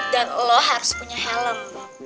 dan lo harus punya helm